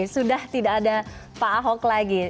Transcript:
sudah tidak ada pak ahok lagi